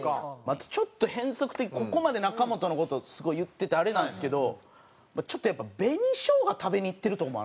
あとちょっと変則的ここまで中本の事をすごい言っててあれなんですけどちょっとやっぱ紅しょうが食べに行ってるとこもあるんですよ。